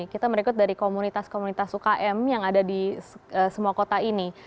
kita merekrut dari komunitas komunitas ukm yang ada di semua kota ini